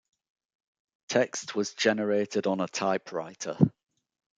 Text was generated on a typewriter.